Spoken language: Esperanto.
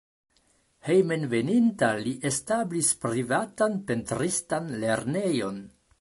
Hejmenveninta li establis privatan pentristan lernejon.